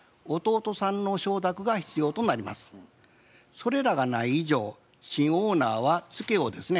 それらがない以上新オーナーはツケをですね